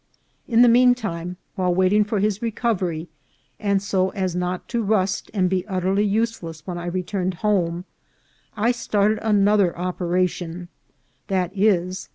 In the mean time, while waiting for his recovery, and so as not to rust and be utterly useless when I returned home, I started another operation, viz.